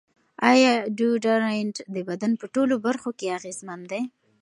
ایا ډیوډرنټ د بدن په ټولو برخو کې اغېزمن دی؟